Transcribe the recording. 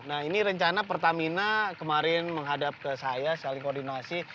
nah ini rencana pertamina kemarin menghadap ke saya saling koordinasi